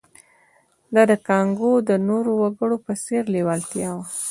دا د کانګو د نورو وګړو په څېر لېوالتیا وه